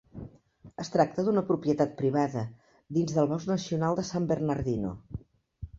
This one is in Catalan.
Es tracta d'una propietat privada dins el bosc nacional de San Bernardino.